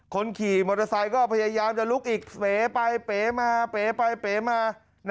คนขี่มอเตอร์ไซค์ก็พยายามจะลุกอีกเป๋ไปเป๋มาเป๋ไปเป๋มา